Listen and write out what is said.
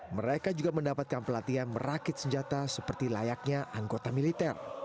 mereka juga mendapatkan pelatihan merakit senjata seperti layaknya anggota militer